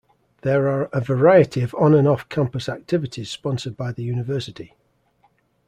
There are a variety of on- and off-campus activities sponsored by the university.